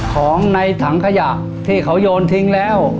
ของในถังขยะที่เขาโยนทิ้งแล้ว